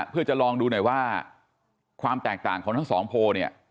เพื่อจะลองดูหน่อยว่าความแตกต่างของทั้งสองโพลเนี่ย